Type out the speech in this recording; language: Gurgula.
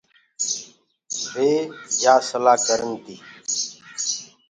وي يآ سلآ ڪرن ڪي